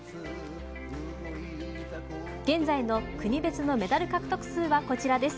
現在の国別のメダル獲得数はこちらです。